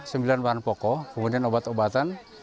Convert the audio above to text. sembilan bahan pokok kemudian obat obatan